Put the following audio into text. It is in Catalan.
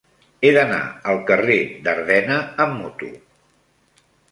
He d'anar al carrer d'Ardena amb moto.